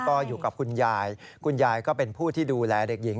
ก็อยู่กับคุณยายคุณยายก็เป็นผู้ที่ดูแลเด็กหญิง